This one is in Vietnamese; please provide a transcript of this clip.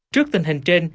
trước tình hình trên